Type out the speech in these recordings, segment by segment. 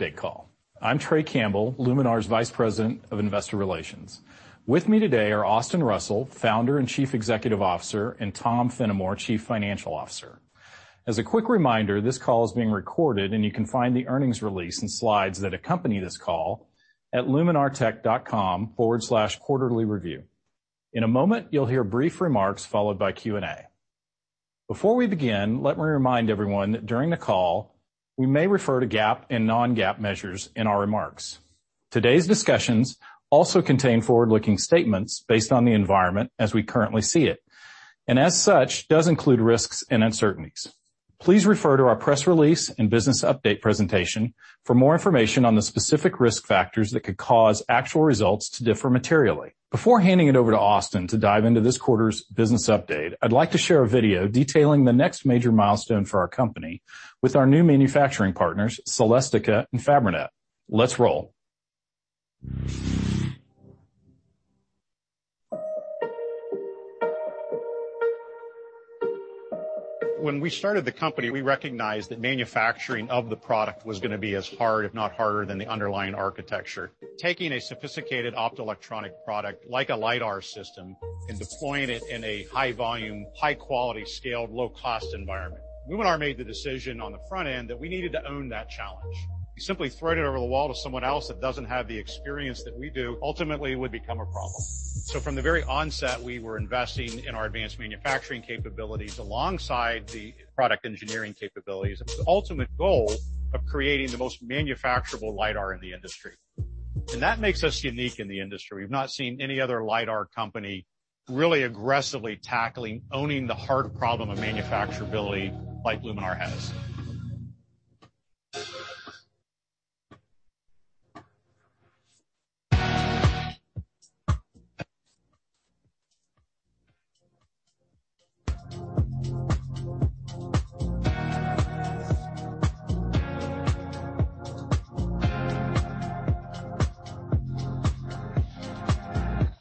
Update call. I'm Trey Campbell, Luminar's Vice President of Investor Relations. With me today are Austin Russell, Founder and Chief Executive Officer, and Tom Fennimore, Chief Financial Officer. As a quick reminder, this call is being recorded, and you can find the earnings release and slides that accompany this call at luminartech.com/quarterlyreview. In a moment, you'll hear brief remarks followed by Q&A. Before we begin, let me remind everyone that during the call, we may refer to GAAP and non-GAAP measures in our remarks. Today's discussions also contain forward-looking statements based on the environment as we currently see it, and as such, does include risks and uncertainties. Please refer to our press release and business update presentation for more information on the specific risk factors that could cause actual results to differ materially. Before handing it over to Austin to dive into this quarter's business update, I'd like to share a video detailing the next major milestone for our company with our new manufacturing partners, Celestica and Fabrinet. Let's roll. When we started the company, we recognized that manufacturing of the product was going to be as hard, if not harder, than the underlying architecture. Taking a sophisticated optoelectronic product like a LiDAR system and deploying it in a high-volume, high-quality, scaled, low-cost environment, Luminar made the decision on the front end that we needed to own that challenge. Simply throwing it over the wall to someone else that does not have the experience that we do ultimately would become a problem. From the very onset, we were investing in our advanced manufacturing capabilities alongside the product engineering capabilities, the ultimate goal of creating the most manufacturable LiDAR in the industry. That makes us unique in the industry. We have not seen any other LiDAR company really aggressively tackling owning the hard problem of manufacturability like Luminar has.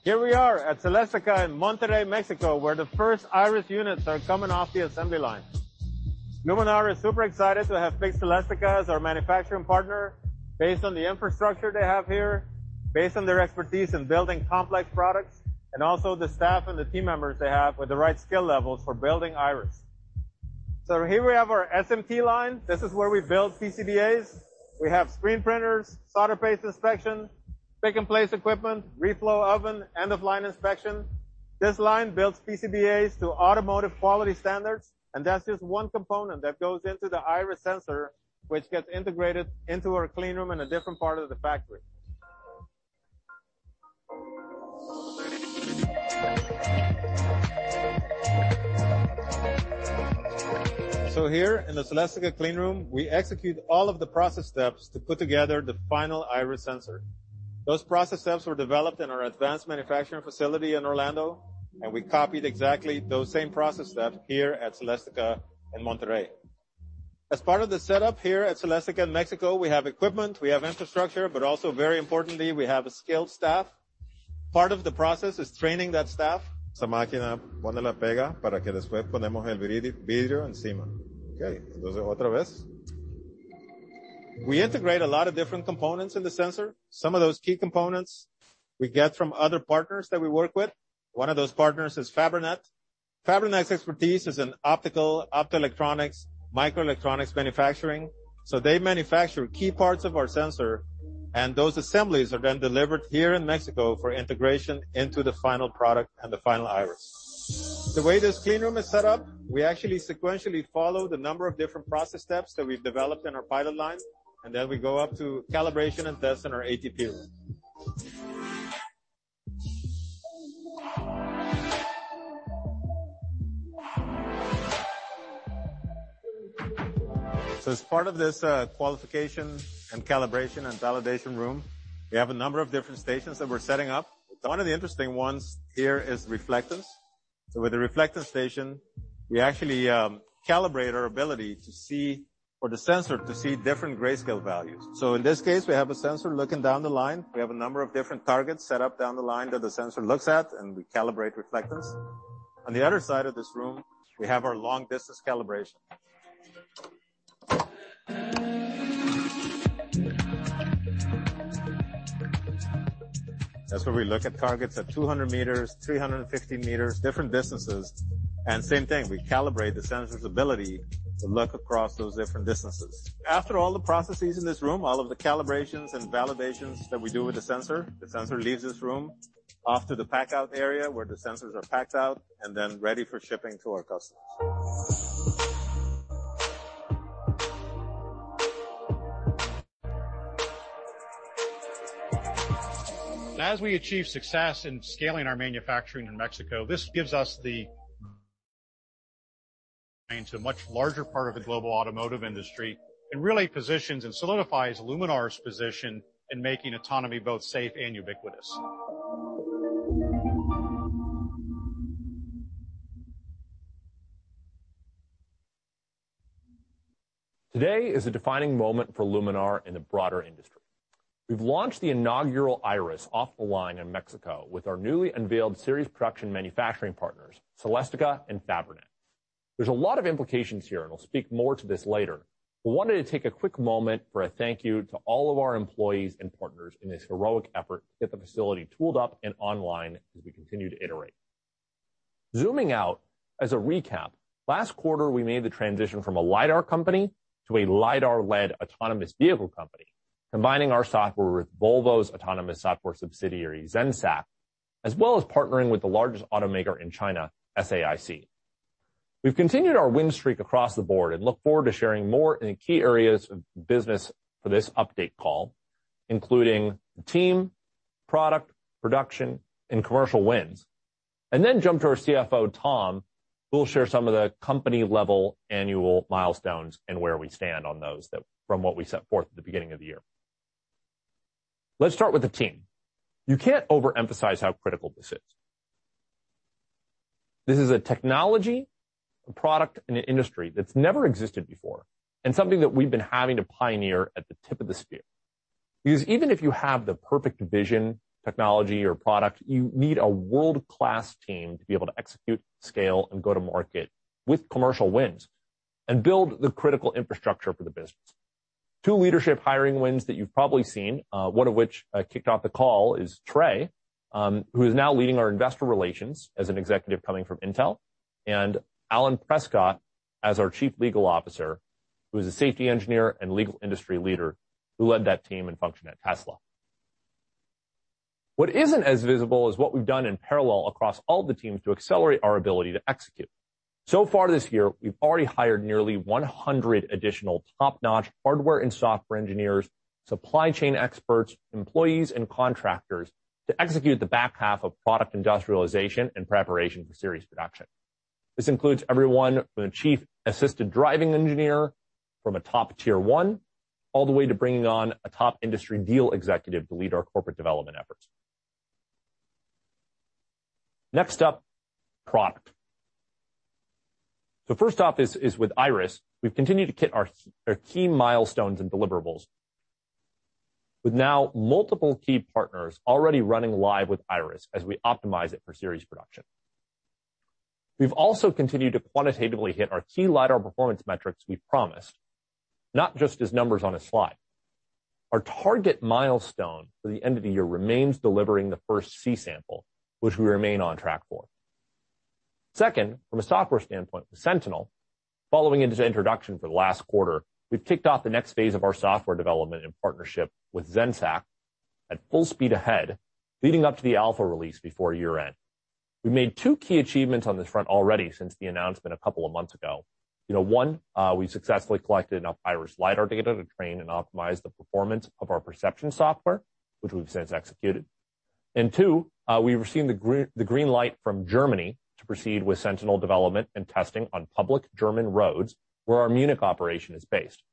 Here we are at Celestica in Monterrey, Mexico, where the first Iris units are coming off the assembly line. Luminar is super excited to have picked Celestica as our manufacturing partner based on the infrastructure they have here, based on their expertise in building complex products, and also the staff and the team members they have with the right skill levels for building Iris. Here we have our SMT line. This is where we build PCBAs. We have screen printers, solder paste inspection, pick-and-place equipment, reflow oven, end-of-line inspection. This line builds PCBAs to automotive quality standards, and that is just one component that goes into the Iris sensor, which gets integrated into our cleanroom in a different part of the factory. Here in the Celestica cleanroom, we execute all of the process steps to put together the final Iris sensor. Those process steps were developed in our advanced manufacturing facility in Orlando, and we copied exactly those same process steps here at Celestica in Monterrey. As part of the setup here at Celestica in Mexico, we have equipment, we have infrastructure, but also very importantly, we have a skilled staff. Part of the process is training that staff. Vamos a maquinar una lamparita para que después ponemos el vidrio encima. Ok, entonces otra vez. We integrate a lot of different components in the sensor. Some of those key components we get from other partners that we work with. One of those partners is Fabrinet. Fabrinet's expertise is in optical, optoelectronics, microelectronics manufacturing. They manufacture key parts of our sensor, and those assemblies are then delivered here in Mexico for integration into the final product and the final Iris. The way this cleanroom is set up, we actually sequentially follow the number of different process steps that we've developed in our pilot line, and then we go up to calibration and test in our ATP room. As part of this qualification and calibration and validation room, we have a number of different stations that we're setting up. One of the interesting ones here is reflectance. With the reflectance station, we actually calibrate our ability to see for the sensor to see different grayscale values. In this case, we have a sensor looking down the line. We have a number of different targets set up down the line that the sensor looks at, and we calibrate reflectance. On the other side of this room, we have our long-distance calibration. That's where we look at targets at 200 meters, 350 meters, different distances. Same thing, we calibrate the sensor's ability to look across those different distances. After all the processes in this room, all of the calibrations and validations that we do with the sensor, the sensor leaves this room off to the packout area where the sensors are packed out and then ready for shipping to our customers. As we achieve success in scaling our manufacturing in Mexico, this gives us the. To a much larger part of the global automotive industry and really positions and solidifies Luminar's position in making autonomy both safe and ubiquitous. Today is a defining moment for Luminar in the broader industry. We've launched the inaugural Iris off the line in Mexico with our newly unveiled series production manufacturing partners, Celestica and Fabrinet. There's a lot of implications here, and we'll speak more to this later. I wanted to take a quick moment for a thank you to all of our employees and partners in this heroic effort to get the facility tooled up and online as we continue to iterate. Zooming out, as a recap, last quarter we made the transition from a LiDAR company to a LiDAR-led autonomous vehicle company, combining our software with Volvo's autonomous software subsidiary, Zenseact, as well as partnering with the largest automaker in China, SAIC. We've continued our win streak across the board and look forward to sharing more in key areas of business for this update call, including team, product, production, and commercial wins. Next, we will jump to our CFO, Tom, who will share some of the company-level annual milestones and where we stand on those from what we set forth at the beginning of the year. Let's start with the team. You can't overemphasize how critical this is. This is a technology, a product, and an industry that's never existed before and something that we've been having to pioneer at the tip of the spear. Because even if you have the perfect vision, technology, or product, you need a world-class team to be able to execute, scale, and go to market with commercial wins and build the critical infrastructure for the business. Two leadership hiring wins that you've probably seen, one of which kicked off the call, is Trey, who is now leading our investor relations as an executive coming from Intel, and Alan Prescott as our Chief Legal Officer, who is a safety engineer and legal industry leader who led that team and functioned at Tesla. What isn't as visible is what we've done in parallel across all of the teams to accelerate our ability to execute. So far this year, we've already hired nearly 100 additional top-notch hardware and software engineers, supply chain experts, employees, and contractors to execute the back half of product industrialization and preparation for series production. This includes everyone from the Chief Assistant Driving Engineer from a top tier one all the way to bringing on a top industry deal executive to lead our corporate development efforts. Next up, product. First off is with Iris. We've continued to hit our key milestones and deliverables with now multiple key partners already running live with Iris as we optimize it for series production. We've also continued to quantitatively hit our key LiDAR performance metrics we promised, not just as numbers on a slide. Our target milestone for the end of the year remains delivering the first C-sample, which we remain on track for. Second, from a software standpoint with Sentinel, following its introduction for the last quarter, we've kicked off the next phase of our software development in partnership with Zenseact at full speed ahead, leading up to the alpha release before year-end. We've made two key achievements on this front already since the announcement a couple of months ago. One, we've successfully collected enough Iris LiDAR data to train and optimize the performance of our perception software, which we've since executed. We have received the green light from Germany to proceed with Sentinel development and testing on public German roads where our Munich operation is based.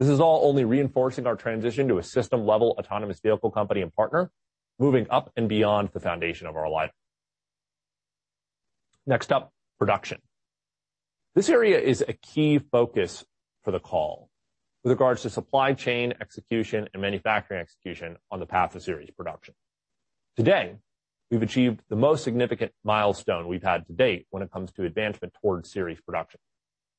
This is all only reinforcing our transition to a system-level autonomous vehicle company and partner moving up and beyond the foundation of our LiDAR. Next up, production. This area is a key focus for the call with regards to supply chain execution and manufacturing execution on the path to series production. Today, we have achieved the most significant milestone we have had to date when it comes to advancement towards series production.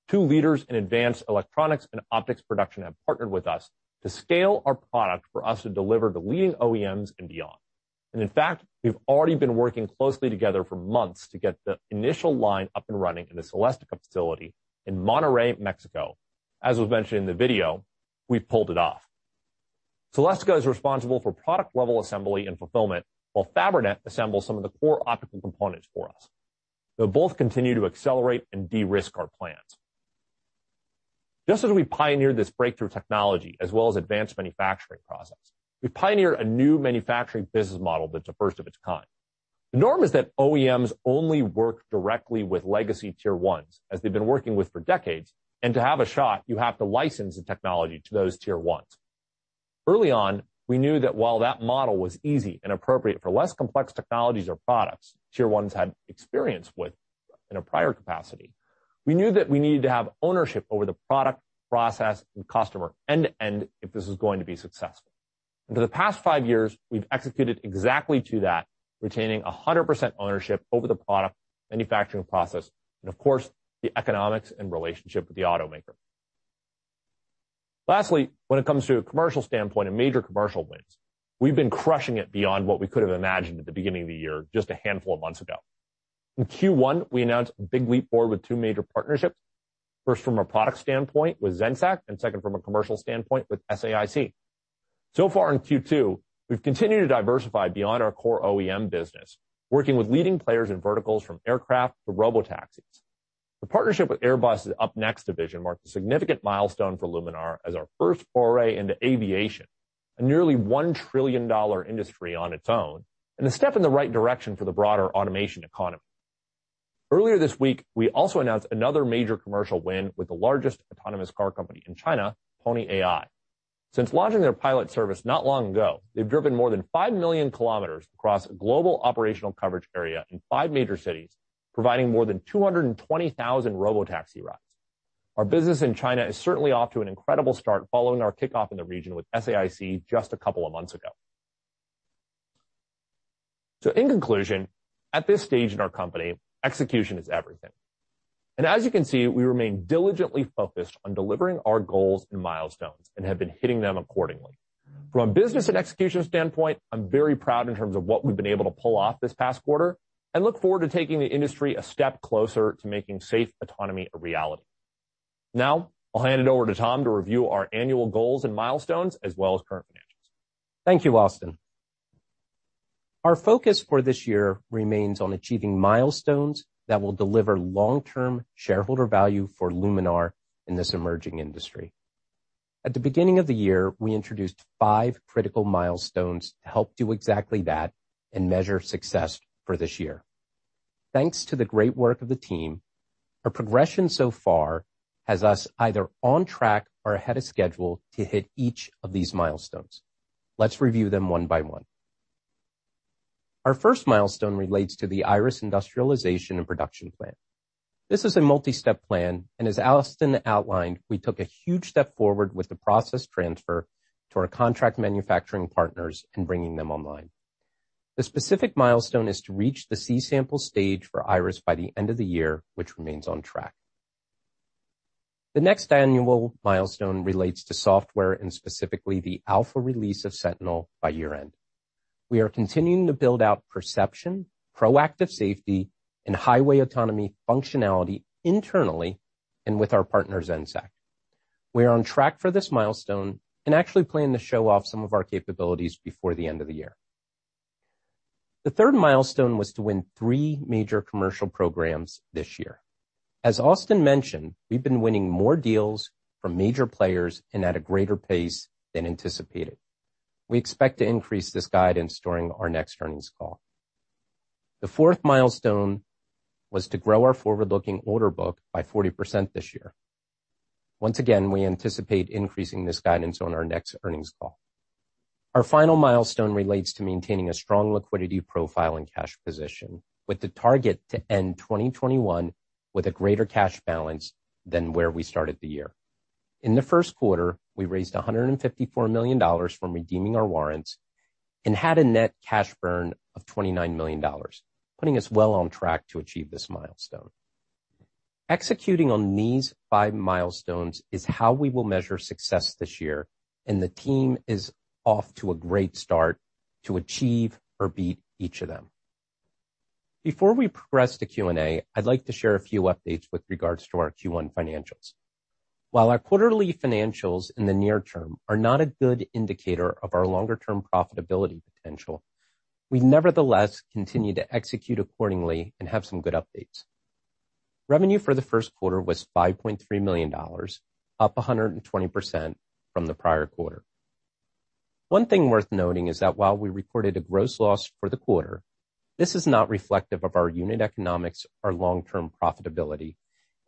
Two leaders in advanced electronics and optics production have partnered with us to scale our product for us to deliver to leading OEMs and beyond. In fact, we have already been working closely together for months to get the initial line up and running in the Celestica facility in Monterrey, Mexico. As was mentioned in the video, we pulled it off. Celestica is responsible for product-level assembly and fulfillment, while Fabrinet assembles some of the core optical components for us. They'll both continue to accelerate and de-risk our plans. Just as we pioneered this breakthrough technology as well as advanced manufacturing process, we've pioneered a new manufacturing business model that's the first of its kind. The norm is that OEMs only work directly with legacy tier ones as they've been working with for decades, and to have a shot, you have to license the technology to those tier ones. Early on, we knew that while that model was easy and appropriate for less complex technologies or products tier ones had experience with in a prior capacity, we knew that we needed to have ownership over the product, process, and customer end-to-end if this was going to be successful. For the past five years, we've executed exactly to that, retaining 100% ownership over the product, manufacturing process, and of course, the economics and relationship with the automaker. Lastly, when it comes to a commercial standpoint and major commercial wins, we've been crushing it beyond what we could have imagined at the beginning of the year just a handful of months ago. In Q1, we announced a big leap forward with two major partnerships, first from a product standpoint with Zenseact and second from a commercial standpoint with SAIC. So far in Q2, we've continued to diversify beyond our core OEM business, working with leading players in verticals from aircraft to robotaxis. The partnership with Airbus' UpNext division marked a significant milestone for Luminar as our first foray into aviation, a nearly $1 trillion industry on its own, and a step in the right direction for the broader automation economy. Earlier this week, we also announced another major commercial win with the largest autonomous car company in China, Pony AI. Since launching their pilot service not long ago, they've driven more than 5 million kilometers across a global operational coverage area in five major cities, providing more than 220,000 robotaxi rides. Our business in China is certainly off to an incredible start following our kickoff in the region with SAIC just a couple of months ago. In conclusion, at this stage in our company, execution is everything. As you can see, we remain diligently focused on delivering our goals and milestones and have been hitting them accordingly. From a business and execution standpoint, I'm very proud in terms of what we've been able to pull off this past quarter and look forward to taking the industry a step closer to making safe autonomy a reality. Now, I'll hand it over to Tom to review our annual goals and milestones as well as current financials. Thank you, Austin. Our focus for this year remains on achieving milestones that will deliver long-term shareholder value for Luminar in this emerging industry. At the beginning of the year, we introduced five critical milestones to help do exactly that and measure success for this year. Thanks to the great work of the team, our progression so far has us either on track or ahead of schedule to hit each of these milestones. Let's review them one by one. Our first milestone relates to the Iris industrialization and production plan. This is a multi-step plan, and as Austin outlined, we took a huge step forward with the process transfer to our contract manufacturing partners and bringing them online. The specific milestone is to reach the C-sample stage for Iris by the end of the year, which remains on track. The next annual milestone relates to software and specifically the alpha release of Sentinel by year-end. We are continuing to build out perception, proactive safety, and highway autonomy functionality internally and with our partner Zenseact. We are on track for this milestone and actually plan to show off some of our capabilities before the end of the year. The third milestone was to win three major commercial programs this year. As Austin mentioned, we've been winning more deals from major players and at a greater pace than anticipated. We expect to increase this guidance during our next earnings call. The fourth milestone was to grow our forward-looking order book by 40% this year. Once again, we anticipate increasing this guidance on our next earnings call. Our final milestone relates to maintaining a strong liquidity profile and cash position with the target to end 2021 with a greater cash balance than where we started the year. In the first quarter, we raised $154 million from redeeming our warrants and had a net cash burn of $29 million, putting us well on track to achieve this milestone. Executing on these five milestones is how we will measure success this year, and the team is off to a great start to achieve or beat each of them. Before we progress to Q&A, I'd like to share a few updates with regards to our Q1 financials. While our quarterly financials in the near term are not a good indicator of our longer-term profitability potential, we nevertheless continue to execute accordingly and have some good updates. Revenue for the first quarter was $5.3 million, up 120% from the prior quarter. One thing worth noting is that while we reported a gross loss for the quarter, this is not reflective of our unit economics or long-term profitability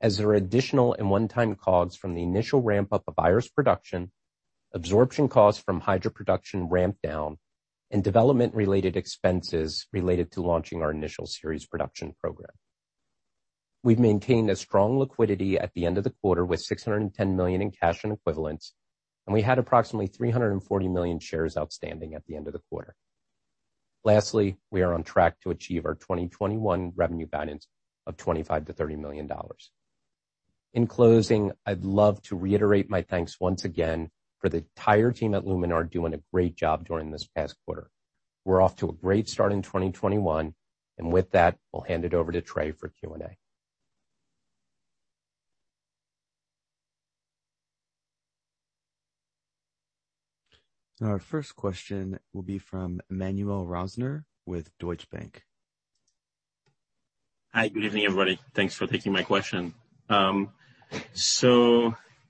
as there are additional and one-time costs from the initial ramp-up of Iris production, absorption costs from Hydra production ramped down, and development-related expenses related to launching our initial series production program. We've maintained a strong liquidity at the end of the quarter with $610 million in cash and equivalents, and we had approximately 340 million shares outstanding at the end of the quarter. Lastly, we are on track to achieve our 2021 revenue balance of $25-$30 million. In closing, I'd love to reiterate my thanks once again for the entire team at Luminar doing a great job during this past quarter. We're off to a great start in 2021, and with that, we'll hand it over to Trey for Q&A. Our first question will be from Emmanuel Rosner with Deutsche Bank. Hi, good evening, everybody. Thanks for taking my question.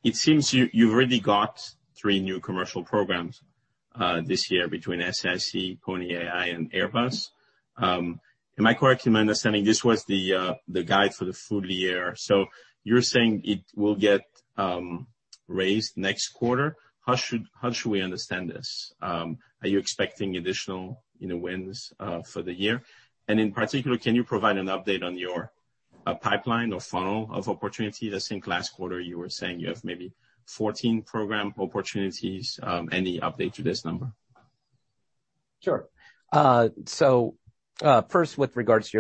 It seems you've already got three new commercial programs this year between SAIC, Pony AI, and Airbus. Am I correct in my understanding this was the guide for the full year? You're saying it will get raised next quarter. How should we understand this? Are you expecting additional wins for the year? In particular, can you provide an update on your pipeline or funnel of opportunity? I think last quarter, you were saying you have maybe 14 program opportunities. Any update to this number? Sure. First, with regards to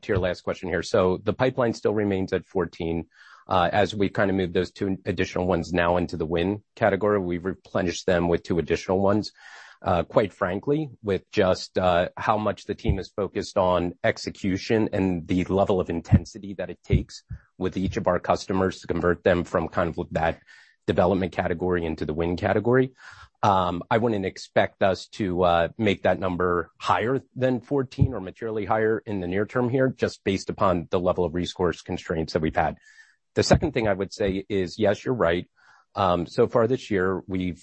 your last question here, the pipeline still remains at 14. As we've kind of moved those two additional ones now into the win category, we've replenished them with two additional ones. Quite frankly, with just how much the team is focused on execution and the level of intensity that it takes with each of our customers to convert them from kind of that development category into the win category, I wouldn't expect us to make that number higher than 14 or materially higher in the near term here just based upon the level of resource constraints that we've had. The second thing I would say is, yes, you're right. So far this year, we've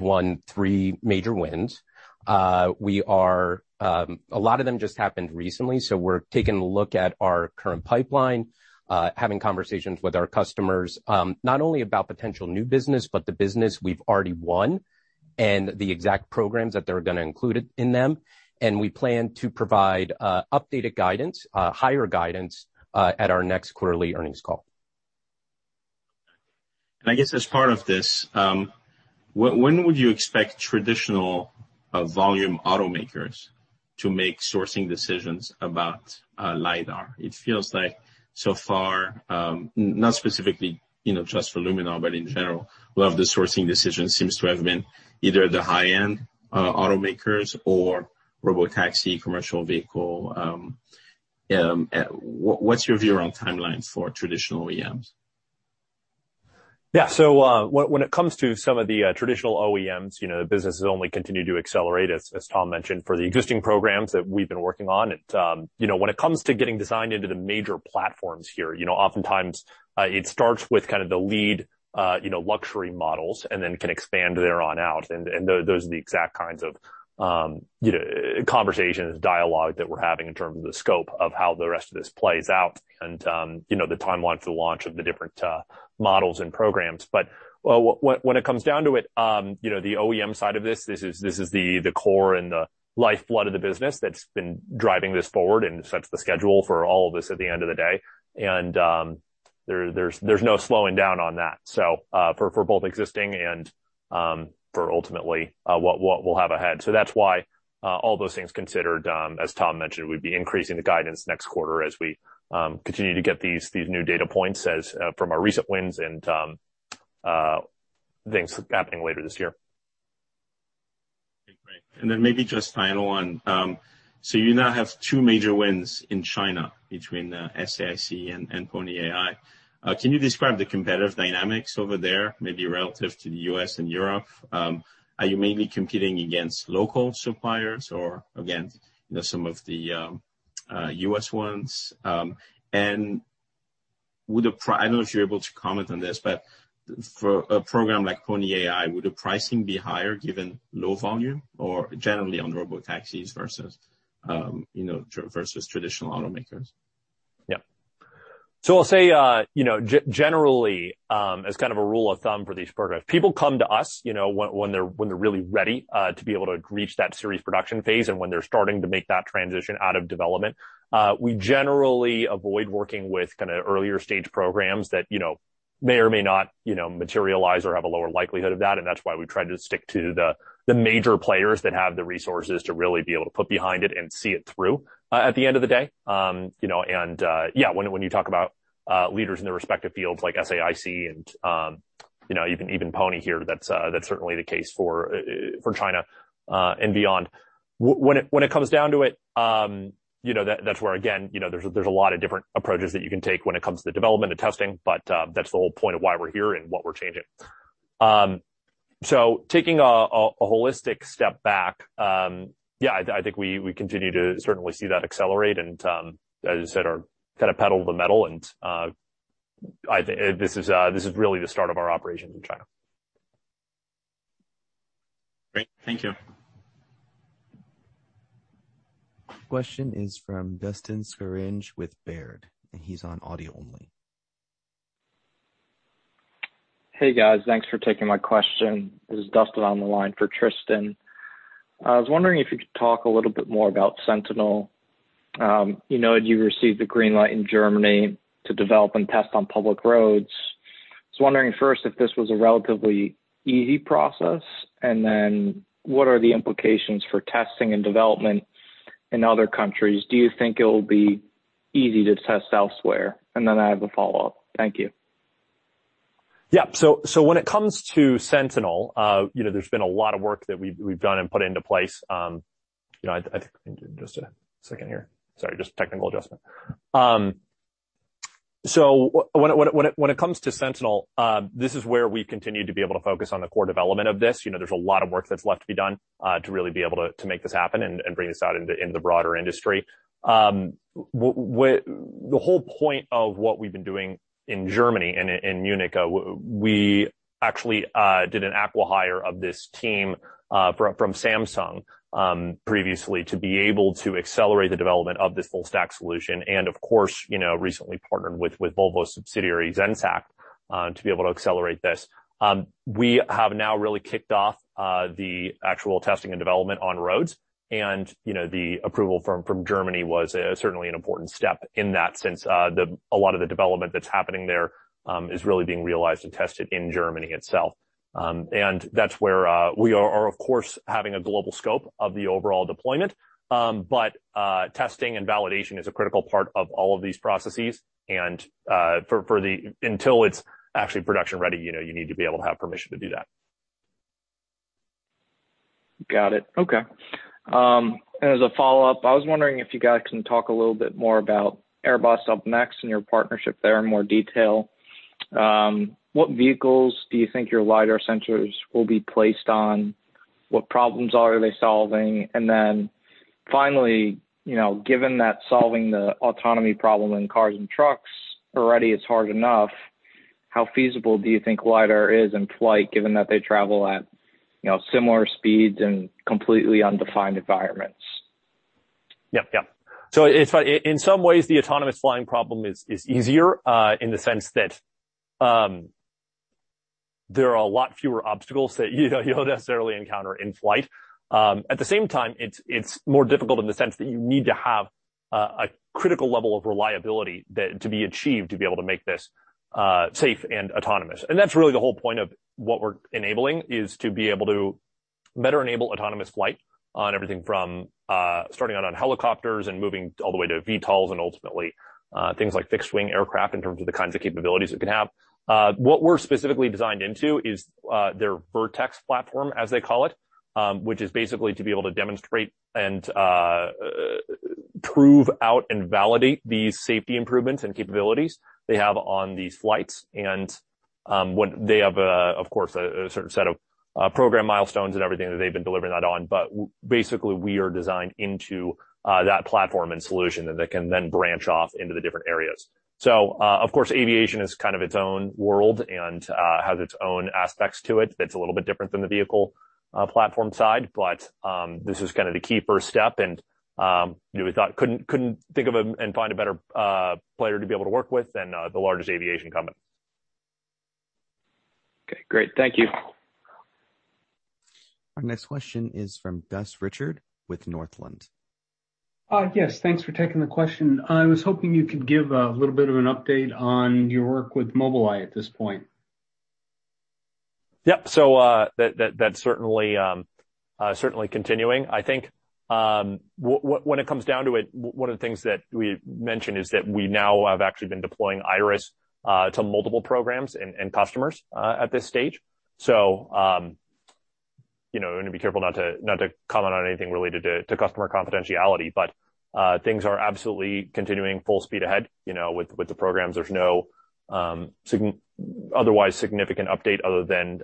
won three major wins. A lot of them just happened recently, so we're taking a look at our current pipeline, having conversations with our customers not only about potential new business, but the business we've already won and the exact programs that they're going to include in them. We plan to provide updated guidance, higher guidance at our next quarterly earnings call. I guess as part of this, when would you expect traditional volume automakers to make sourcing decisions about LiDAR? It feels like so far, not specifically just for Luminar, but in general, a lot of the sourcing decisions seem to have been either the high-end automakers or robotaxi commercial vehicle. What's your view on timelines for traditional OEMs? Yeah. When it comes to some of the traditional OEMs, the business has only continued to accelerate, as Tom mentioned, for the existing programs that we've been working on. When it comes to getting designed into the major platforms here, oftentimes it starts with kind of the lead luxury models and then can expand there on out. Those are the exact kinds of conversations, dialogue that we're having in terms of the scope of how the rest of this plays out and the timeline for the launch of the different models and programs. When it comes down to it, the OEM side of this, this is the core and the lifeblood of the business that's been driving this forward and sets the schedule for all of us at the end of the day. There is no slowing down on that for both existing and for ultimately what we will have ahead. That is why all those things considered, as Tom mentioned, we would be increasing the guidance next quarter as we continue to get these new data points from our recent wins and things happening later this year. Great. Maybe just final one. You now have two major wins in China between SAIC and Pony AI. Can you describe the competitive dynamics over there, maybe relative to the U.S. and Europe? Are you mainly competing against local suppliers or against some of the U.S. ones? I do not know if you are able to comment on this, but for a program like Pony AI, would the pricing be higher given low volume or generally on robotaxis versus traditional automakers? Yeah. I'll say generally, as kind of a rule of thumb for these programs, people come to us when they're really ready to be able to reach that series production phase and when they're starting to make that transition out of development. We generally avoid working with kind of earlier stage programs that may or may not materialize or have a lower likelihood of that. That's why we try to stick to the major players that have the resources to really be able to put behind it and see it through at the end of the day. Yeah, when you talk about leaders in their respective fields like SAIC and even Pony here, that's certainly the case for China and beyond. When it comes down to it, that's where, again, there's a lot of different approaches that you can take when it comes to the development and testing, but that's the whole point of why we're here and what we're changing. Taking a holistic step back, yeah, I think we continue to certainly see that accelerate and, as I said, kind of pedal the metal. This is really the start of our operations in China. Great. Thank you. Question is from Dustin Skarinch with Baird, and he's on audio only. Hey, guys. Thanks for taking my question. This is Dustin on the line for Tristan. I was wondering if you could talk a little bit more about Sentinel. You know you received the green light in Germany to develop and test on public roads. I was wondering first if this was a relatively easy process, and then what are the implications for testing and development in other countries? Do you think it will be easy to test elsewhere? I have a follow-up. Thank you. Yeah. So when it comes to Sentinel, there's been a lot of work that we've done and put into place. I think just a second here. Sorry, just technical adjustment. When it comes to Sentinel, this is where we've continued to be able to focus on the core development of this. There's a lot of work that's left to be done to really be able to make this happen and bring this out into the broader industry. The whole point of what we've been doing in Germany and in Munich, we actually did an acqui-hire of this team from Samsung previously to be able to accelerate the development of this full-stack solution. Of course, recently partnered with Volvo's subsidiary Zenseact to be able to accelerate this. We have now really kicked off the actual testing and development on roads. The approval from Germany was certainly an important step in that since a lot of the development that's happening there is really being realized and tested in Germany itself. That is where we are, of course, having a global scope of the overall deployment. Testing and validation is a critical part of all of these processes. Until it's actually production-ready, you need to be able to have permission to do that. Got it. Okay. As a follow-up, I was wondering if you guys can talk a little bit more about Airbus UpNext and your partnership there in more detail. What vehicles do you think your LiDAR sensors will be placed on? What problems are they solving? Finally, given that solving the autonomy problem in cars and trucks already is hard enough, how feasible do you think LiDAR is in flight, given that they travel at similar speeds and completely undefined environments? Yep, yep. In some ways, the autonomous flying problem is easier in the sense that there are a lot fewer obstacles that you'll necessarily encounter in flight. At the same time, it's more difficult in the sense that you need to have a critical level of reliability to be achieved to be able to make this safe and autonomous. That's really the whole point of what we're enabling, to be able to better enable autonomous flight on everything from starting out on helicopters and moving all the way to VTOLs and ultimately things like fixed-wing aircraft in terms of the kinds of capabilities it can have. What we're specifically designed into is their Vertex platform, as they call it, which is basically to be able to demonstrate and prove out and validate the safety improvements and capabilities they have on these flights. They have, of course, a certain set of program milestones and everything that they have been delivering that on. Basically, we are designed into that platform and solution that can then branch off into the different areas. Of course, aviation is kind of its own world and has its own aspects to it that are a little bit different than the vehicle platform side. This is kind of the key first step. We could not think of and find a better player to be able to work with than the largest aviation company. Okay. Great. Thank you. Our next question is from Gus Richard with Northland. Yes. Thanks for taking the question. I was hoping you could give a little bit of an update on your work with Mobileye at this point. Yep. That's certainly continuing, I think. When it comes down to it, one of the things that we mentioned is that we now have actually been deploying IRIS to multiple programs and customers at this stage. I'm going to be careful not to comment on anything related to customer confidentiality, but things are absolutely continuing full speed ahead with the programs. There's no otherwise significant update other than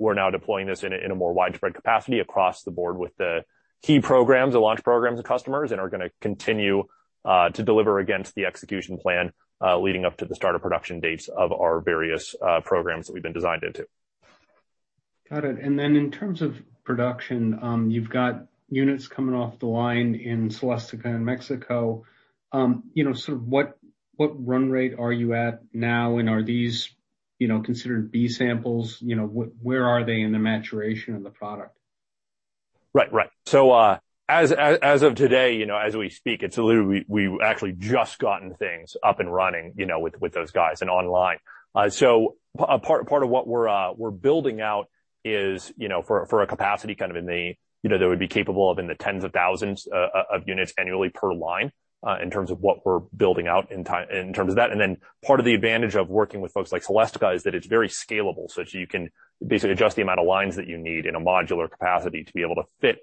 we're now deploying this in a more widespread capacity across the board with the key programs, the launch programs of customers, and are going to continue to deliver against the execution plan leading up to the start of production dates of our various programs that we've been designed into. Got it. In terms of production, you've got units coming off the line in Celestica in Mexico. Sort of what run rate are you at now? Are these considered B samples? Where are they in the maturation of the product? Right, right. As of today, as we speak, it's literally we've actually just gotten things up and running with those guys and online. Part of what we're building out is for a capacity that would be capable of in the tens of thousands of units annually per line in terms of what we're building out in terms of that. Part of the advantage of working with folks like Celestica is that it's very scalable, so you can basically adjust the amount of lines that you need in a modular capacity to be able to fit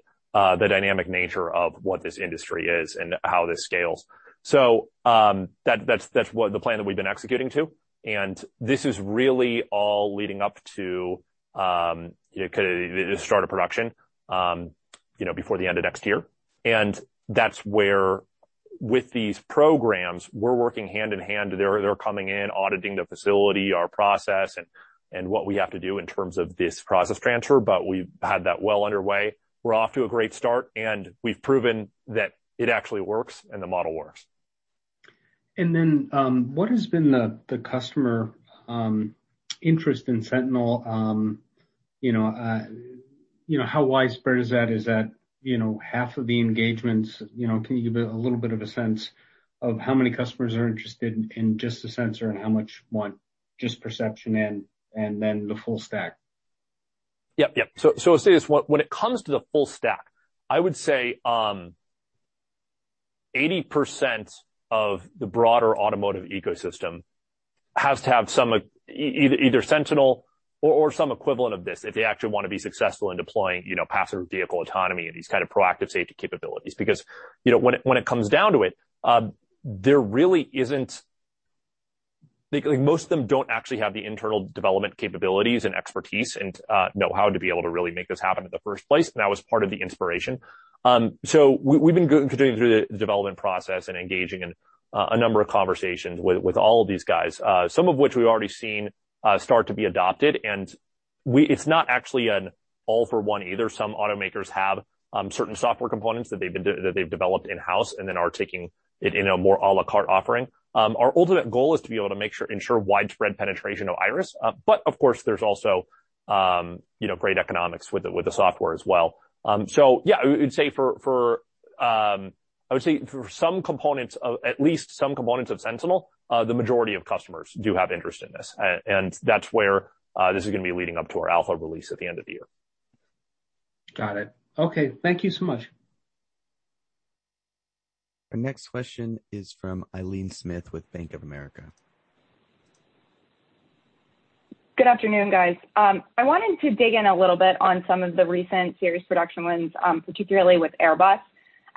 the dynamic nature of what this industry is and how this scales. That's the plan that we've been executing to. This is really all leading up to the start of production before the end of next year. That is where, with these programs, we're working hand in hand. They're coming in, auditing the facility, our process, and what we have to do in terms of this process transfer. We have had that well underway. We're off to a great start, and we've proven that it actually works and the model works. What has been the customer interest in Sentinel? How widespread is that? Is that half of the engagements? Can you give a little bit of a sense of how many customers are interested in just the sensor and how much want just perception and then the full stack? Yep, yep. I'll say this: when it comes to the full stack, I would say 80% of the broader automotive ecosystem has to have either Sentinel or some equivalent of this if they actually want to be successful in deploying passenger vehicle autonomy and these kind of proactive safety capabilities. Because when it comes down to it, there really isn't—most of them don't actually have the internal development capabilities and expertise and know-how to be able to really make this happen in the first place. That was part of the inspiration. We've been continuing through the development process and engaging in a number of conversations with all of these guys, some of which we've already seen start to be adopted. It's not actually an all-for-one either. Some automakers have certain software components that they've developed in-house and then are taking it in a more à la carte offering. Our ultimate goal is to be able to ensure widespread penetration of Iris. Of course, there's also great economics with the software as well. Yeah, I would say for some components, at least some components of Sentinel, the majority of customers do have interest in this. That's where this is going to be leading up to our alpha release at the end of the year. Got it. Okay. Thank you so much. Our next question is from Eileen Smith with Bank of America. Good afternoon, guys. I wanted to dig in a little bit on some of the recent series production wins, particularly with Airbus.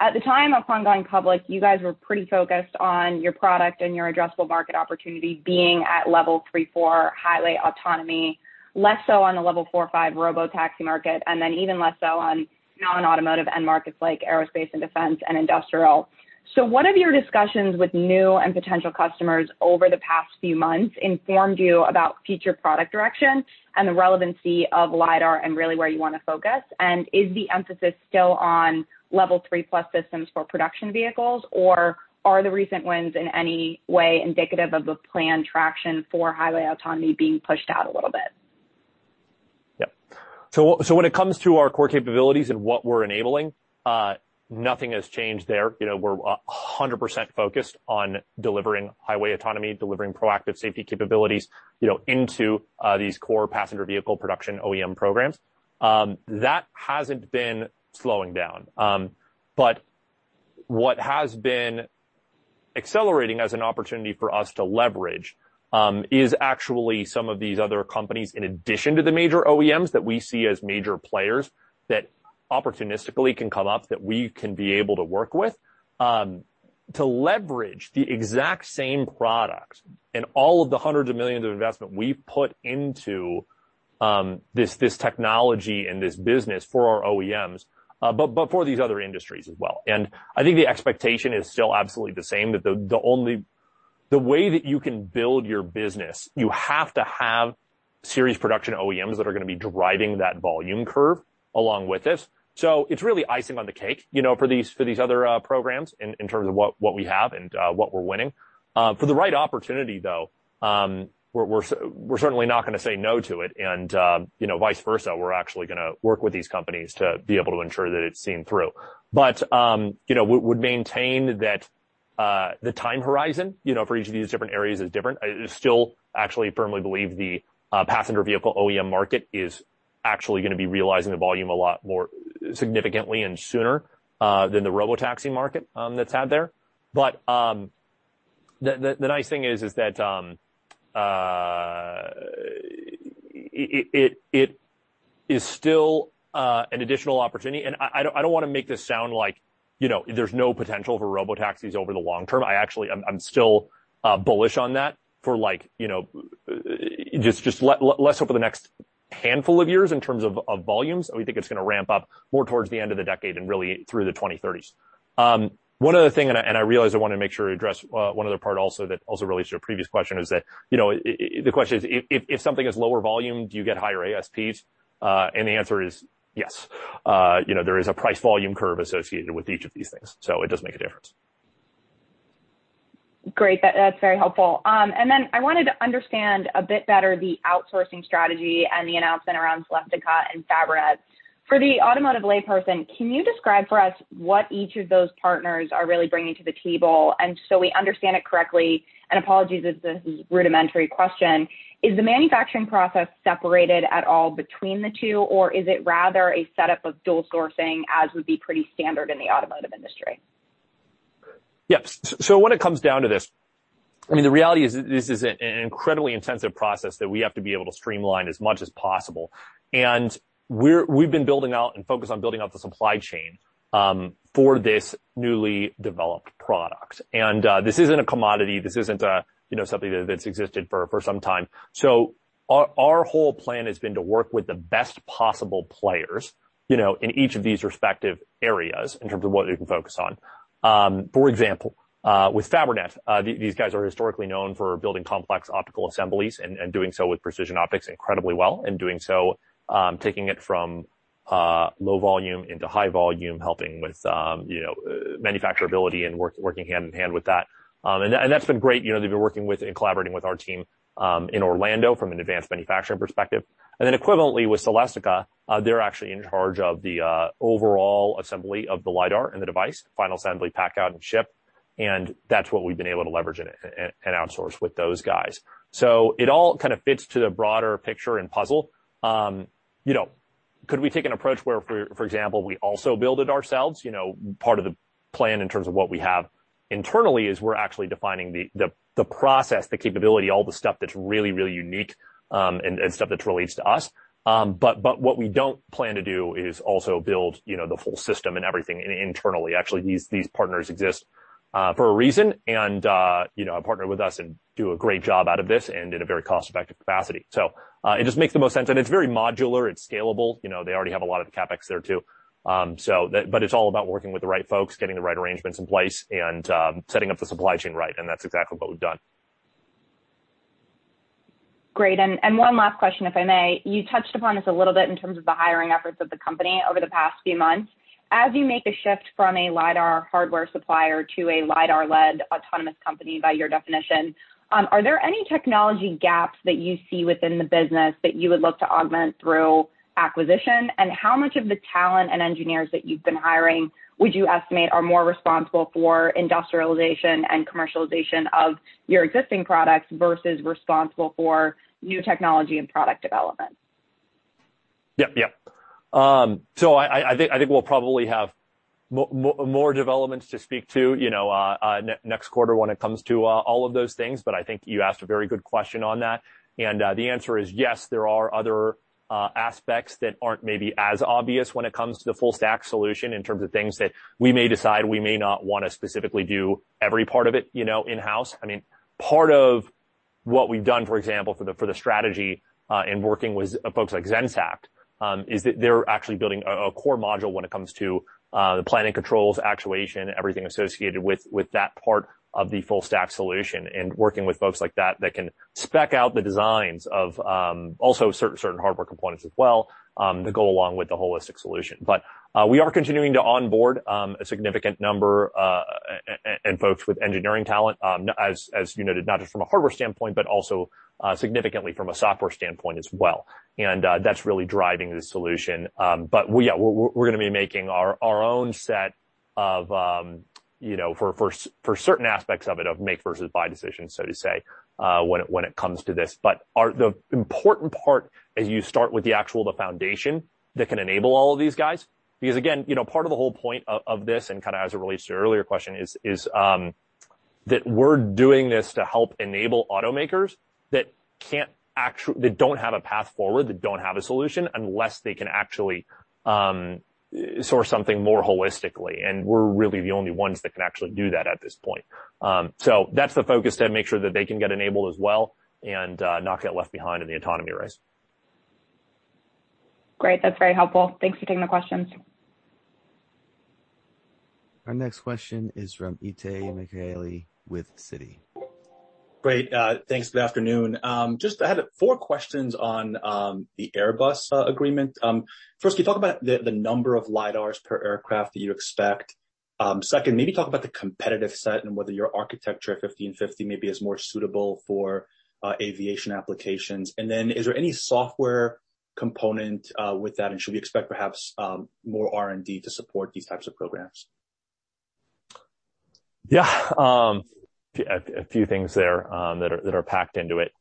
At the time of Hong Kong public, you guys were pretty focused on your product and your addressable market opportunity being at level 3.4, highway autonomy, less so on the level 4.5 robotaxi market, and then even less so on non-automotive end markets like aerospace and defense and industrial. What have your discussions with new and potential customers over the past few months informed you about future product direction and the relevancy of LiDAR and really where you want to focus? Is the emphasis still on level 3+ systems for production vehicles, or are the recent wins in any way indicative of the planned traction for highway autonomy being pushed out a little bit? Yep. When it comes to our core capabilities and what we're enabling, nothing has changed there. We're 100% focused on delivering highway autonomy, delivering proactive safety capabilities into these core passenger vehicle production OEM programs. That hasn't been slowing down. What has been accelerating as an opportunity for us to leverage is actually some of these other companies in addition to the major OEMs that we see as major players that opportunistically can come up that we can be able to work with to leverage the exact same products and all of the hundreds of millions of investment we've put into this technology and this business for our OEMs, but for these other industries as well. I think the expectation is still absolutely the same that the way that you can build your business, you have to have series production OEMs that are going to be driving that volume curve along with this. It is really icing on the cake for these other programs in terms of what we have and what we are winning. For the right opportunity, though, we are certainly not going to say no to it. Vice versa, we are actually going to work with these companies to be able to ensure that it is seen through. We would maintain that the time horizon for each of these different areas is different. I still actually firmly believe the passenger vehicle OEM market is actually going to be realizing the volume a lot more significantly and sooner than the robotaxi market that is had there. The nice thing is that it is still an additional opportunity. I do not want to make this sound like there is no potential for robotaxis over the long term. I actually am still bullish on that for just less over the next handful of years in terms of volumes. We think it is going to ramp up more towards the end of the decade and really through the 2030s. One other thing, and I realize I want to make sure I address one other part also that also relates to a previous question, is that the question is, if something is lower volume, do you get higher ASPs? The answer is yes. There is a price volume curve associated with each of these things. It does make a difference. Great. That's very helpful. I wanted to understand a bit better the outsourcing strategy and the announcement around Celestica and Fabrinet. For the automotive layperson, can you describe for us what each of those partners are really bringing to the table? So we understand it correctly, and apologies if this is a rudimentary question, is the manufacturing process separated at all between the two, or is it rather a setup of dual sourcing as would be pretty standard in the automotive industry? Yep. When it comes down to this, I mean, the reality is this is an incredibly intensive process that we have to be able to streamline as much as possible. We have been building out and focused on building out the supply chain for this newly developed product. This is not a commodity. This is not something that has existed for some time. Our whole plan has been to work with the best possible players in each of these respective areas in terms of what they can focus on. For example, with Fabrinet, these guys are historically known for building complex optical assemblies and doing so with precision optics incredibly well and doing so, taking it from low volume into high volume, helping with manufacturability and working hand in hand with that. That has been great. They've been working with and collaborating with our team in Orlando from an advanced manufacturing perspective. Equivalently with Celestica, they're actually in charge of the overall assembly of the LiDAR and the device, final assembly, pack out, and ship. That's what we've been able to leverage and outsource with those guys. It all kind of fits to the broader picture and puzzle. Could we take an approach where, for example, we also build it ourselves? Part of the plan in terms of what we have internally is we're actually defining the process, the capability, all the stuff that's really, really unique and stuff that relates to us. What we don't plan to do is also build the full system and everything internally. Actually, these partners exist for a reason, and have partnered with us and do a great job out of this in a very cost-effective capacity. It just makes the most sense. It is very modular. It is scalable. They already have a lot of the CapEx there too. It is all about working with the right folks, getting the right arrangements in place, and setting up the supply chain right. That is exactly what we have done. Great. One last question, if I may. You touched upon this a little bit in terms of the hiring efforts of the company over the past few months. As you make the shift from a LiDAR hardware supplier to a LiDAR-led autonomous company by your definition, are there any technology gaps that you see within the business that you would look to augment through acquisition? How much of the talent and engineers that you've been hiring would you estimate are more responsible for industrialization and commercialization of your existing products versus responsible for new technology and product development? Yep, yep. I think we'll probably have more developments to speak to next quarter when it comes to all of those things. I think you asked a very good question on that. The answer is yes, there are other aspects that are not maybe as obvious when it comes to the full stack solution in terms of things that we may decide we may not want to specifically do every part of it in-house. I mean, part of what we've done, for example, for the strategy and working with folks like Zenseact is that they are actually building a core module when it comes to the planning controls, actuation, everything associated with that part of the full stack solution and working with folks like that that can spec out the designs of also certain hardware components as well that go along with the holistic solution. We are continuing to onboard a significant number and folks with engineering talent, as you noted, not just from a hardware standpoint, but also significantly from a software standpoint as well. That is really driving this solution. Yeah, we are going to be making our own set for certain aspects of it of make versus buy decisions, so to say, when it comes to this. The important part is you start with the actual foundation that can enable all of these guys. Again, part of the whole point of this and kind of as it relates to earlier question is that we are doing this to help enable automakers that do not have a path forward, that do not have a solution unless they can actually source something more holistically. We are really the only ones that can actually do that at this point. That's the focus to make sure that they can get enabled as well and not get left behind in the autonomy race. Great. That's very helpful. Thanks for taking the questions. Our next question is from Etsy McHaley with Citi. Great. Thanks. Good afternoon. I just had four questions on the Airbus agreement. First, can you talk about the number of LiDARs per aircraft that you expect? Second, maybe talk about the competitive set and whether your architecture at 1550 maybe is more suitable for aviation applications. Is there any software component with that? Should we expect perhaps more R&D to support these types of programs? Yeah. A few things there that are packed into it.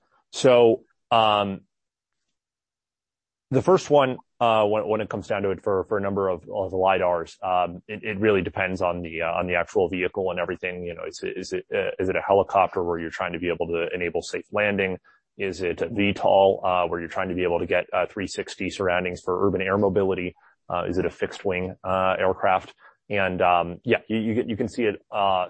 The first one, when it comes down to it for a number of LiDARs, it really depends on the actual vehicle and everything. Is it a helicopter where you're trying to be able to enable safe landing? Is it a VTOL where you're trying to be able to get 360 surroundings for urban air mobility? Is it a fixed-wing aircraft? You can see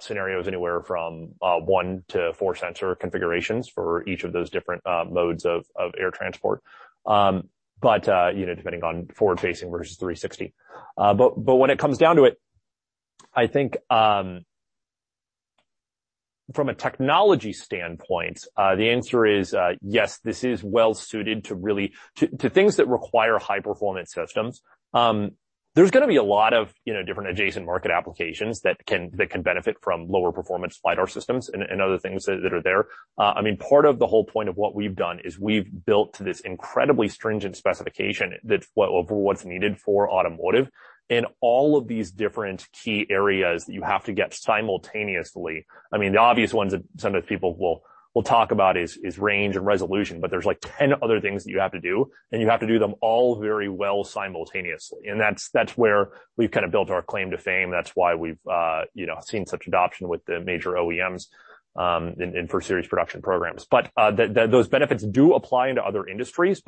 scenarios anywhere from one to four sensor configurations for each of those different modes of air transport, depending on forward-facing versus 360. When it comes down to it, I think from a technology standpoint, the answer is yes, this is well-suited to things that require high-performance systems. There are going to be a lot of different adjacent market applications that can benefit from lower-performance LiDAR systems and other things that are there. I mean, part of the whole point of what we've done is we've built to this incredibly stringent specification of what's needed for automotive in all of these different key areas that you have to get simultaneously. I mean, the obvious ones that some of the people will talk about is range and resolution, but there's like 10 other things that you have to do, and you have to do them all very well simultaneously. That's where we've kind of built our claim to fame. That's why we've seen such adoption with the major OEMs and for series production programs. Those benefits do apply into other industries.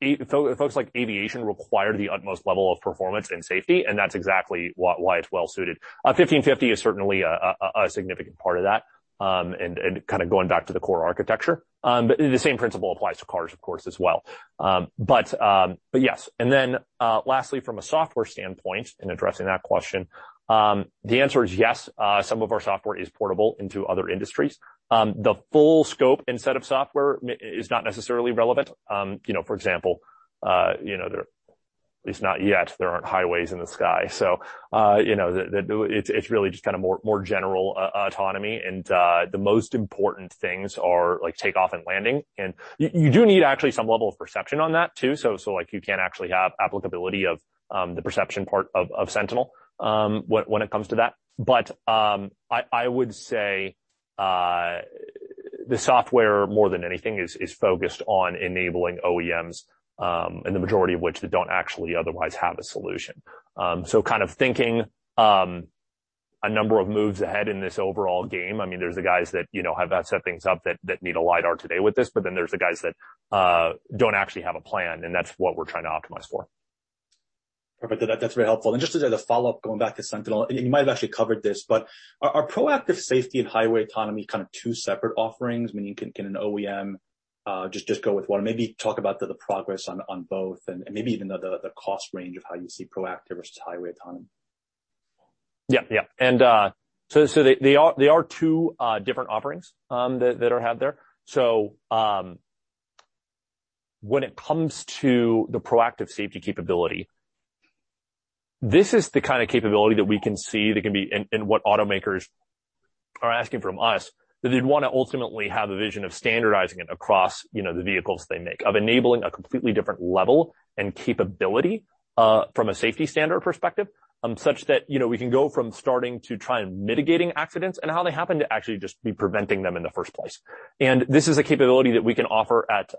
Folks like aviation require the utmost level of performance and safety, and that's exactly why it's well-suited. 1550 is certainly a significant part of that and kind of going back to the core architecture. The same principle applies to cars, of course, as well. Yes. Lastly, from a software standpoint in addressing that question, the answer is yes. Some of our software is portable into other industries. The full scope and set of software is not necessarily relevant. For example, at least not yet, there are not highways in the sky. It is really just kind of more general autonomy. The most important things are like takeoff and landing. You do need actually some level of perception on that too. You can actually have applicability of the perception part of Sentinel when it comes to that. I would say the software, more than anything, is focused on enabling OEMs, the majority of which do not actually otherwise have a solution. Kind of thinking a number of moves ahead in this overall game. I mean, there's the guys that have set things up that need a LiDAR today with this, but then there's the guys that don't actually have a plan, and that's what we're trying to optimize for. Perfect. That is very helpful. Just as a follow-up, going back to Sentinel, and you might have actually covered this, are proactive safety and highway autonomy kind of two separate offerings? I mean, can an OEM just go with one? Maybe talk about the progress on both and maybe even the cost range of how you see proactive versus highway autonomy. Yeah, yeah. There are two different offerings that are had there. When it comes to the proactive safety capability, this is the kind of capability that we can see that can be in what automakers are asking from us, that they'd want to ultimately have a vision of standardizing it across the vehicles they make, of enabling a completely different level and capability from a safety standard perspective such that we can go from starting to try and mitigating accidents and how they happen to actually just be preventing them in the first place. This is a capability that we can offer at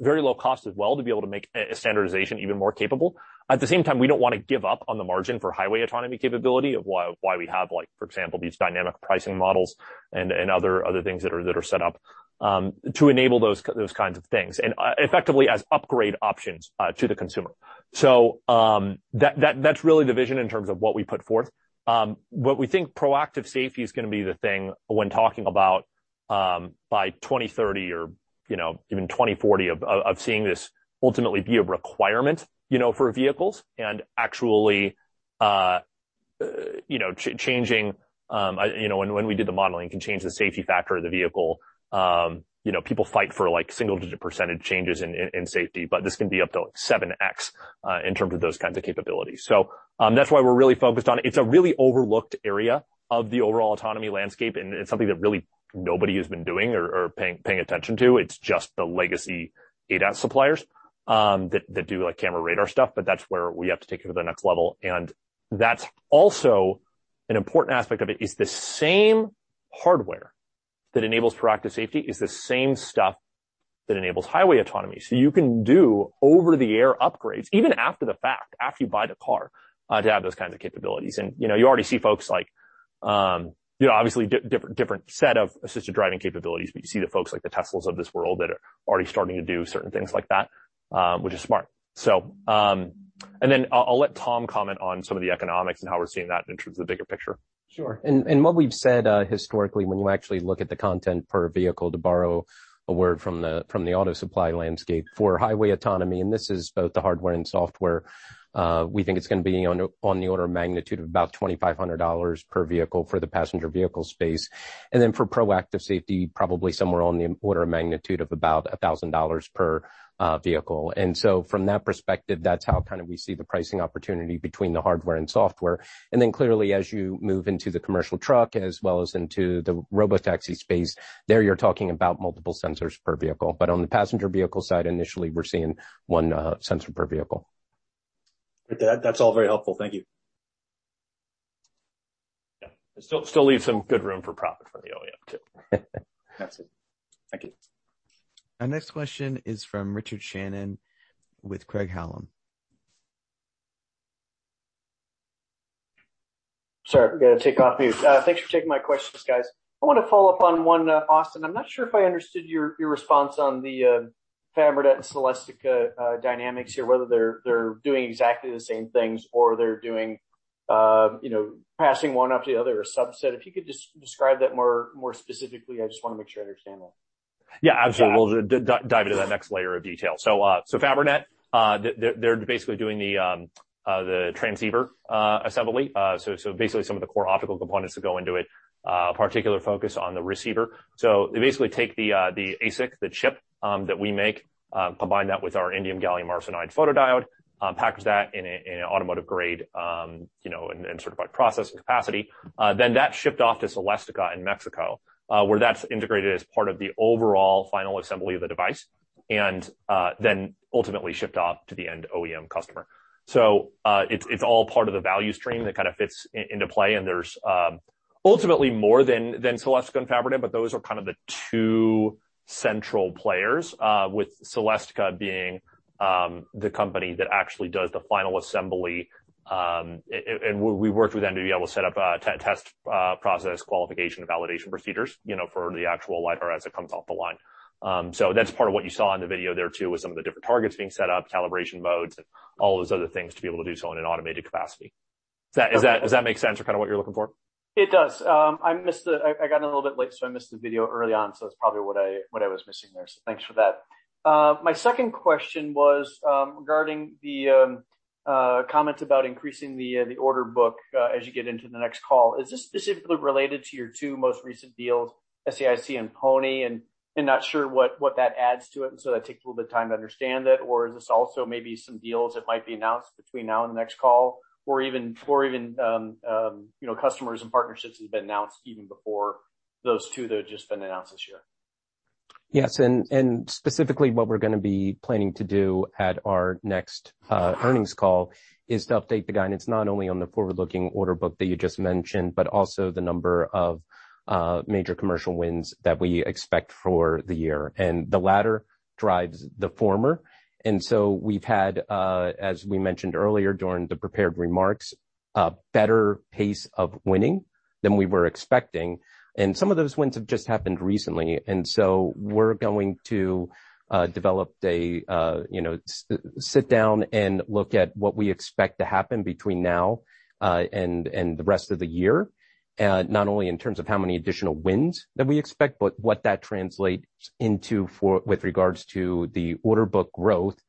very low cost as well to be able to make a standardization even more capable. At the same time, we do not want to give up on the margin for highway autonomy capability of why we have, for example, these dynamic pricing models and other things that are set up to enable those kinds of things and effectively as upgrade options to the consumer. That is really the vision in terms of what we put forth. What we think proactive safety is going to be the thing when talking about by 2030 or even 2040 of seeing this ultimately be a requirement for vehicles and actually changing when we did the modeling, can change the safety factor of the vehicle. People fight for single-digit % changes in safety, but this can be up to 7X in terms of those kinds of capabilities. That is why we are really focused on it. It's a really overlooked area of the overall autonomy landscape, and it's something that really nobody has been doing or paying attention to. It's just the legacy ADAS suppliers that do camera radar stuff, but that's where we have to take it to the next level. That's also an important aspect of it. The same hardware that enables proactive safety is the same stuff that enables highway autonomy. You can do over-the-air upgrades, even after the fact, after you buy the car, to have those kinds of capabilities. You already see folks like obviously different set of assisted driving capabilities, but you see the folks like the Teslas of this world that are already starting to do certain things like that, which is smart. I'll let Tom comment on some of the economics and how we're seeing that in terms of the bigger picture. Sure. What we have said historically, when you actually look at the content per vehicle, to borrow a word from the auto supply landscape for highway autonomy, and this is both the hardware and software, we think it is going to be on the order of magnitude of about $2,500 per vehicle for the passenger vehicle space. For proactive safety, probably somewhere on the order of magnitude of about $1,000 per vehicle. From that perspective, that is how we see the pricing opportunity between the hardware and software. Clearly, as you move into the commercial truck as well as into the robotaxi space, there you are talking about multiple sensors per vehicle. On the passenger vehicle side, initially, we are seeing one sensor per vehicle. That's all very helpful. Thank you. Yeah. Still leaves some good room for profit for the OEM too. Absolutely. Thank you. Our next question is from Richard Shannon with Craig-Hallum. Sorry, I'm going to take off mute. Thanks for taking my questions, guys. I want to follow up on one, Austin. I'm not sure if I understood your response on the Fabrinet and Celestica dynamics here, whether they're doing exactly the same things or they're passing one off to the other or subset. If you could just describe that more specifically, I just want to make sure I understand that. Yeah, absolutely. We'll dive into that next layer of detail. FabriNet, they're basically doing the transceiver assembly. Basically, some of the core optical components that go into it, particular focus on the receiver. They basically take the ASIC, the chip that we make, combine that with our Indium Gallium Arsenide photodiode, package that in an automotive-grade and certified process and capacity. That is shipped off to Celestica in Mexico, where that is integrated as part of the overall final assembly of the device and then ultimately shipped off to the end OEM customer. It is all part of the value stream that kind of fits into play. There is ultimately more than Celestica and FabriNet, but those are kind of the two central players, with Celestica being the company that actually does the final assembly. We worked with them to be able to set up a test process, qualification, validation procedures for the actual LiDAR as it comes off the line. That is part of what you saw in the video there too, with some of the different targets being set up, calibration modes, and all those other things to be able to do so in an automated capacity. Does that make sense or kind of what you're looking for? It does. I got a little bit late, so I missed the video early on, so it's probably what I was missing there. Thanks for that. My second question was regarding the comments about increasing the order book as you get into the next call. Is this specifically related to your two most recent deals, SAIC and Pony, and not sure what that adds to it? That takes a little bit of time to understand it. Is this also maybe some deals that might be announced between now and the next call, or even customers and partnerships that have been announced even before those two that have just been announced this year? Yes. Specifically, what we are going to be planning to do at our next earnings call is to update the guidance not only on the forward-looking order book that you just mentioned, but also the number of major commercial wins that we expect for the year. The latter drives the former. We have had, as we mentioned earlier during the prepared remarks, a better pace of winning than we were expecting. Some of those wins have just happened recently. We are going to develop a sit-down and look at what we expect to happen between now and the rest of the year, not only in terms of how many additional wins we expect, but what that translates into with regards to the order book growth,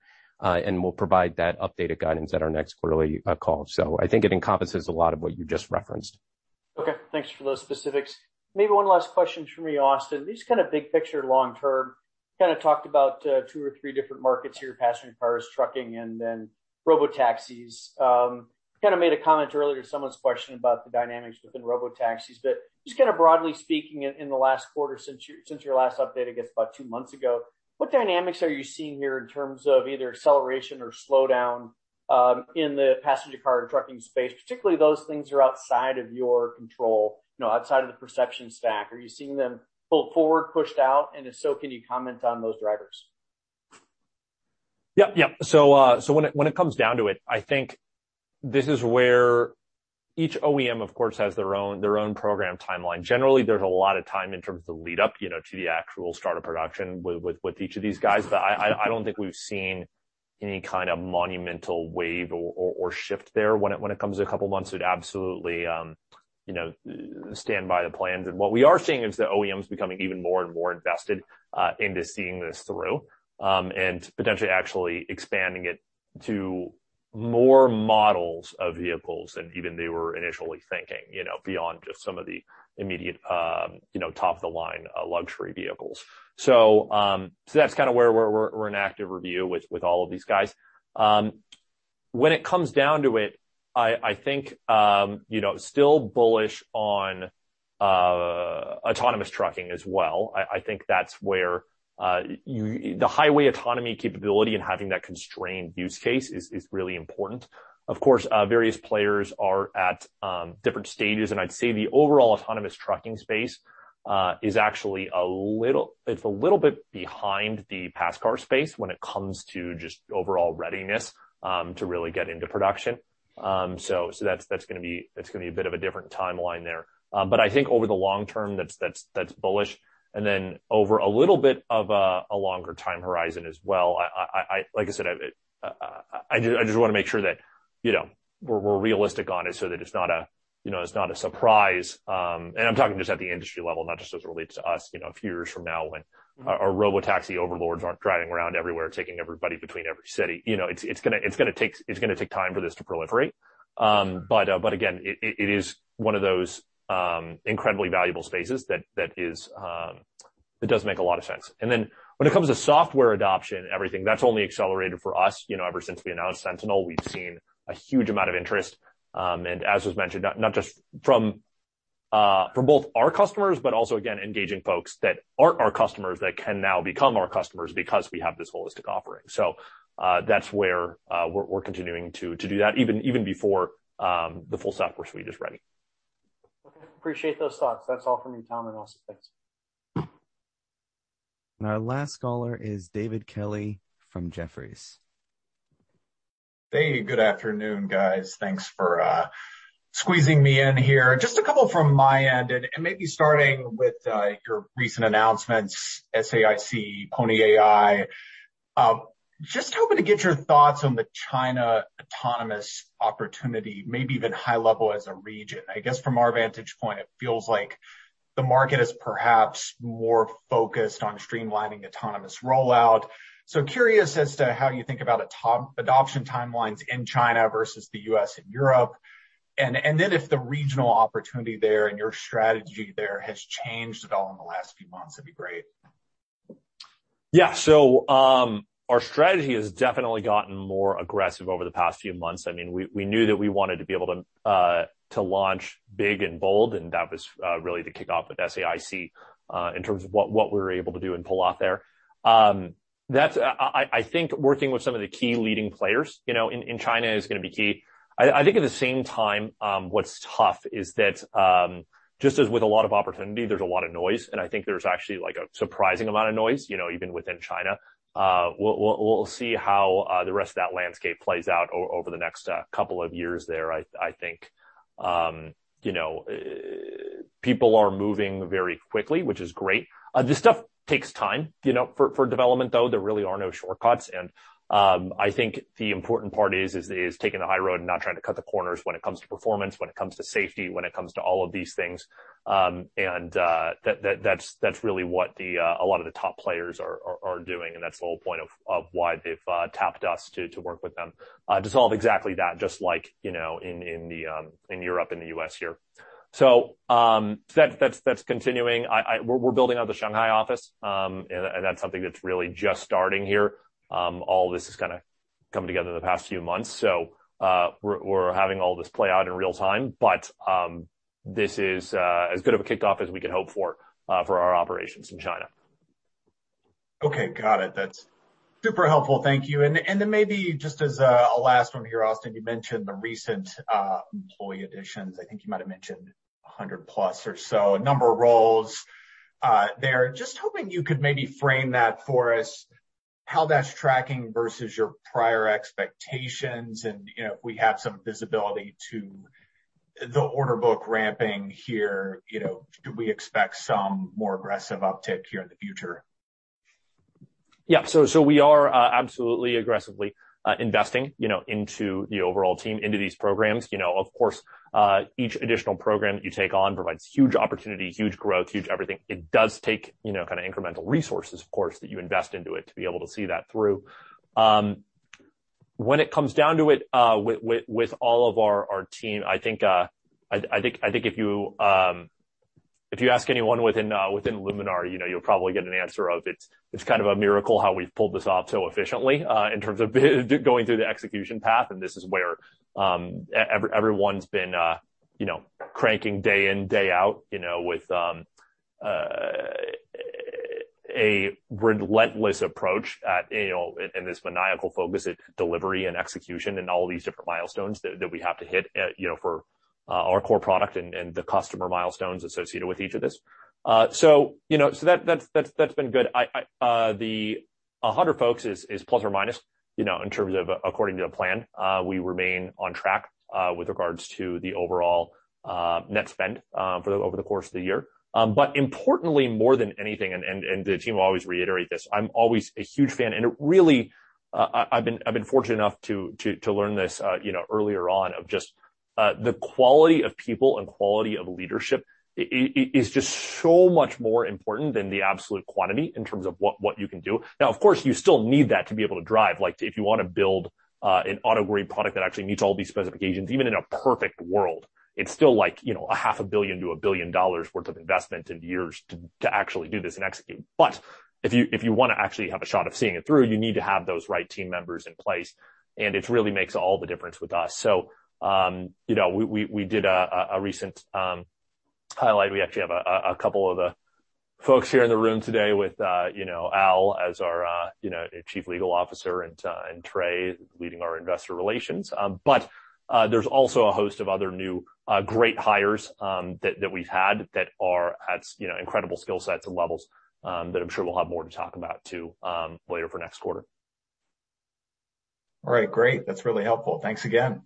and we will provide that updated guidance at our next quarterly call. I think it encompasses a lot of what you just referenced. Okay. Thanks for those specifics. Maybe one last question for me, Austin. These kind of big picture long-term, kind of talked about two or three different markets here, passenger cars, trucking, and then robotaxis. Kind of made a comment earlier to someone's question about the dynamics within robotaxis, but just kind of broadly speaking, in the last quarter since your last update, I guess about two months ago, what dynamics are you seeing here in terms of either acceleration or slowdown in the passenger car and trucking space, particularly those things that are outside of your control, outside of the perception stack? Are you seeing them pulled forward, pushed out? And if so, can you comment on those drivers? Yep, yep. When it comes down to it, I think this is where each OEM, of course, has their own program timeline. Generally, there is a lot of time in terms of the lead-up to the actual start of production with each of these guys. I do not think we have seen any kind of monumental wave or shift there. When it comes to a couple of months, it absolutely stands by the plans. What we are seeing is the OEMs becoming even more and more invested into seeing this through and potentially actually expanding it to more models of vehicles than even they were initially thinking, beyond just some of the immediate top-of-the-line luxury vehicles. That is kind of where we are in active review with all of these guys. When it comes down to it, I think still bullish on autonomous trucking as well. I think that's where the highway autonomy capability and having that constrained use case is really important. Of course, various players are at different stages, and I'd say the overall autonomous trucking space is actually a little bit behind the pass car space when it comes to just overall readiness to really get into production. That is going to be a bit of a different timeline there. I think over the long term, that's bullish. Over a little bit of a longer time horizon as well, like I said, I just want to make sure that we're realistic on it so that it's not a surprise. I'm talking just at the industry level, not just as it relates to us a few years from now when our robotaxi overlords are not driving around everywhere, taking everybody between every city. is going to take time for this to proliferate. Again, it is one of those incredibly valuable spaces that does make a lot of sense. When it comes to software adoption and everything, that is only accelerated for us. Ever since we announced Sentinel, we have seen a huge amount of interest. As was mentioned, not just from both our customers, but also, again, engaging folks that are not our customers that can now become our customers because we have this holistic offering. That is where we are continuing to do that, even before the full software suite is ready. Okay. Appreciate those thoughts. That's all from me, Tom and Austin. Thanks. Our last caller is David Kelley from Jefferies. Hey, good afternoon, guys. Thanks for squeezing me in here. Just a couple from my end, and maybe starting with your recent announcements, SAIC, Pony AI. Just hoping to get your thoughts on the China autonomous opportunity, maybe even high level as a region. I guess from our vantage point, it feels like the market is perhaps more focused on streamlining autonomous rollout. Curious as to how you think about adoption timelines in China versus the U.S. and Europe. If the regional opportunity there and your strategy there has changed at all in the last few months, that'd be great. Yeah. Our strategy has definitely gotten more aggressive over the past few months. I mean, we knew that we wanted to be able to launch big and bold, and that was really to kick off with SAIC in terms of what we were able to do and pull off there. I think working with some of the key leading players in China is going to be key. I think at the same time, what's tough is that just as with a lot of opportunity, there's a lot of noise. I think there's actually a surprising amount of noise, even within China. We'll see how the rest of that landscape plays out over the next couple of years there. I think people are moving very quickly, which is great. This stuff takes time for development, though. There really are no shortcuts. I think the important part is taking the high road and not trying to cut corners when it comes to performance, when it comes to safety, when it comes to all of these things. That is really what a lot of the top players are doing. That is the whole point of why they have tapped us to work with them to solve exactly that, just like in Europe and the U.S. here. That is continuing. We are building out the Shanghai office, and that is something that is really just starting here. All this has kind of come together in the past few months. We are having all this play out in real time, but this is as good of a kickoff as we could hope for for our operations in China. Okay. Got it. That's super helpful. Thank you. Maybe just as a last one here, Austin, you mentioned the recent employee additions. I think you might have mentioned 100-plus or so, a number of roles there. Just hoping you could maybe frame that for us, how that's tracking versus your prior expectations. If we have some visibility to the order book ramping here, could we expect some more aggressive uptake here in the future? Yeah. We are absolutely aggressively investing into the overall team, into these programs. Of course, each additional program you take on provides huge opportunity, huge growth, huge everything. It does take kind of incremental resources, of course, that you invest into it to be able to see that through. When it comes down to it with all of our team, I think if you ask anyone within Luminar, you'll probably get an answer of it's kind of a miracle how we've pulled this off so efficiently in terms of going through the execution path. This is where everyone's been cranking day in, day out with a relentless approach and this maniacal focus at delivery and execution and all these different milestones that we have to hit for our core product and the customer milestones associated with each of this. That's been good. The 100 folks is plus or minus in terms of according to the plan. We remain on track with regards to the overall net spend over the course of the year. More than anything, and the team will always reiterate this, I'm always a huge fan. I really, I've been fortunate enough to learn this earlier on of just the quality of people and quality of leadership is just so much more important than the absolute quantity in terms of what you can do. Now, of course, you still need that to be able to drive. If you want to build an auto-grade product that actually meets all these specifications, even in a perfect world, it's still like $500,000,000 to $1,000,000,000 worth of investment in years to actually do this and execute. If you want to actually have a shot of seeing it through, you need to have those right team members in place. It really makes all the difference with us. We did a recent highlight. We actually have a couple of the folks here in the room today with Alan as our Chief Legal Officer and Trey leading our investor relations. There is also a host of other new great hires that we have had that have incredible skill sets and levels that I am sure we will have more to talk about too later for next quarter. All right. Great. That's really helpful. Thanks again.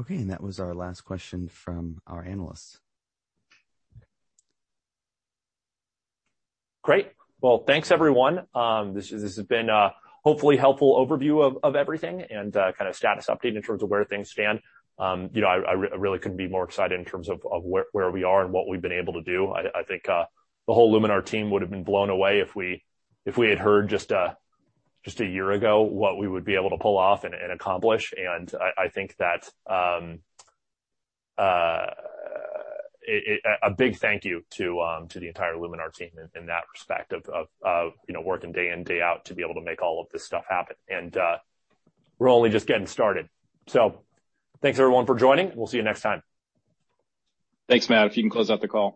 Okay. That was our last question from our analysts. Great. Thanks, everyone. This has been a hopefully helpful overview of everything and kind of status update in terms of where things stand. I really could not be more excited in terms of where we are and what we have been able to do. I think the whole Luminar team would have been blown away if we had heard just a year ago what we would be able to pull off and accomplish. I think that a big thank you to the entire Luminar team in that respect of working day in, day out to be able to make all of this stuff happen. We are only just getting started. Thanks, everyone, for joining. We will see you next time. Thanks, Matt. If you can close out the call.